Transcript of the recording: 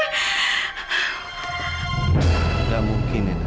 tidak mungkin anak